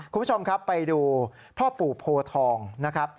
คุณผู้ชมครับไปดูพ่อปู่โพทองนะครับ